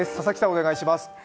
お願いします。